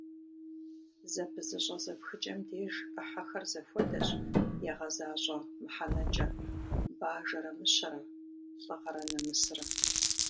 Зэпызыщӏэ зэпхыкӏэм деж ӏыхьэхэр зэхуэдэщ ягъэзащӏэ мыхьэнэкӏэ: бажэрэ мыщэрэ, лӏыгъэрэ нэмысрэ.